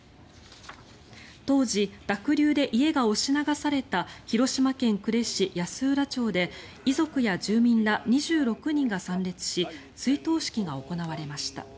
当時、濁流で家が押し流された広島県呉市安浦町で遺族や住民ら２６人が参列し追悼式が行われました。